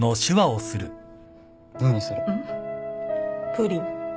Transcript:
プリン。